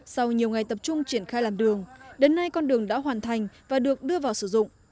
sau nhiều ngày tập trung triển khai làn đường đến nay con đường đã hoàn thành và được đưa vào sử dụng